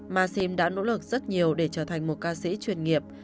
maxim đã nỗ lực rất nhiều để trở thành một ca sĩ chuyên nghiệp